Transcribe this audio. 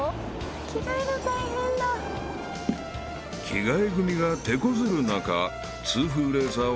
［着替え組がてこずる中痛風レーサーは出発目前に］